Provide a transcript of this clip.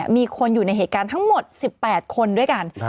มีคนอยู่ในเหตุการณ์ทั้งหมด๑๘คนด้วยกัน